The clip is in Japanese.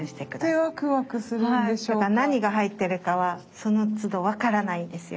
何が入ってるかはそのつど分からないんですよ。